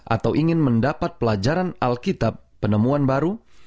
atau ingin mendapat pelajaran alkitab penemuan baru